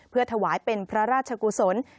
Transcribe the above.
เพื่อถวายเป็นพระราชกุศล